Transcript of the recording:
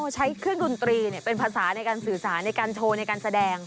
ใช้เครื่องดนตรีเป็นภาษาในการสื่อสารในการโชว์ในการแสดง